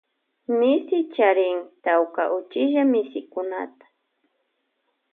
Misi charin tawka uchilla misikunata.